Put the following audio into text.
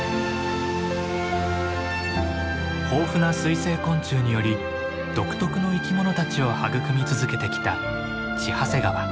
豊富な水生昆虫により独特の生き物たちを育み続けてきた千走川。